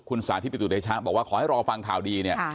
คุณสาธิตปิตุเตชะบอกว่าขอให้รอฟังข่าวดีเนี่ย